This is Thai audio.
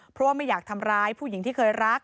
เพราะว่าไม่อยากทำร้ายผู้หญิงที่เคยรัก